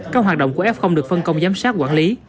các hoạt động của f được phân công giám sát quản lý